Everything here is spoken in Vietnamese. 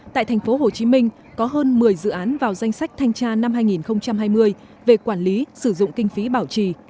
tại thành phố hồ chí minh có hơn một mươi dự án vào danh sách thanh tra năm hai nghìn hai mươi về quản lý sử dụng kinh phí bảo trì